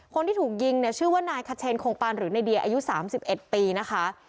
คนที่ถูกยิงเนี่ยชื่อว่านายคเชนคงปานหรือในเดียอายุ๓๑ปีนะคะ